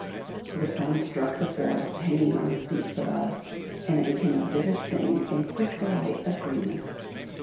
The sun struck the forest hanging on the steeps above, and it became a vivid thing in quick delight of greenness.